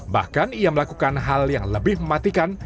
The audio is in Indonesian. bahkan ia melakukan hal yang lebih mematikan